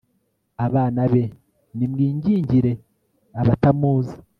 abana be, nimwingingire abatamuzi